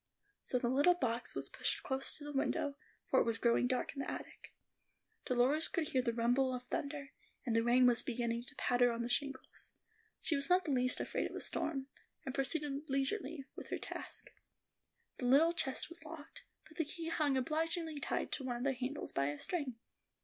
So the little box was pushed close to the window, for it was growing dark in the attic. Dolores could hear the rumble of thunder, and the rain was beginning to patter on the shingles; she was not the least afraid of a storm, and proceeded leisurely with her task. The little chest was locked, but the key hung obligingly tied to one of the handles by a string.